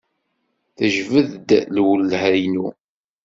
Tejbed-d lwelha-inu.